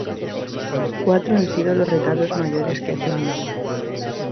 Cuatro han sido los retablos mayores que ha tenido.